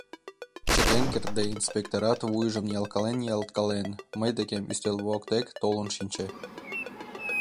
Чытен кертде инспекторат, вуйжым ниялткален-ниялткален, мый декем ӱстел воктек толын шинче.